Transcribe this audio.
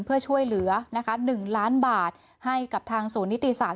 เพื่อช่วยเหลือนะคะหนึ่งล้านบาทให้กับทางศูนย์นิธิศาสตร์